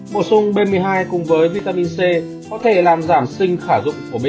bổ sung b một mươi hai cùng với vitamin c có thể làm giảm sinh khả dụng của b một mươi hai